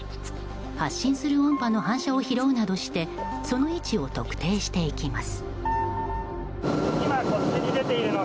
発信する音波の反射を拾うなどしてその位置を特定していきます。